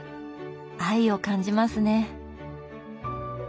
愛を感じますね。